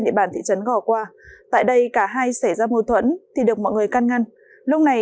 địa bàn thị trấn gò qua tại đây cả hai xảy ra mâu thuẫn thì được mọi người căn ngăn lúc này